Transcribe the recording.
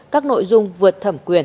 các nội dung vượt thẩm quyền